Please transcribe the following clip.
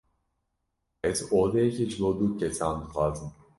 Ez odeyeke ji bo du kesan dixwazim.